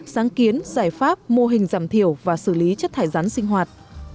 sáng kiến giải pháp mô hình giảm thiểu và xử lý chất thải rắn sinh hoạt